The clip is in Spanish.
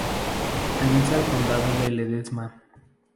Pertenece al condado de Ledesma.